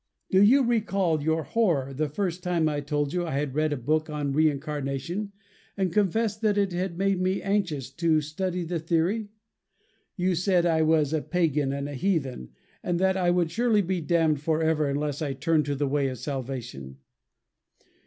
Do you recall your horror the first time I told you I had read a book on reincarnation, and confessed that it had made me anxious to study the theory? You said I was a pagan and a heathen, and that I would surely be damned forever unless I turned to the way of salvation.